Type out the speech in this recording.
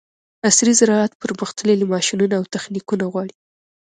عصري زراعت پرمختللي ماشینونه او تخنیکونه غواړي.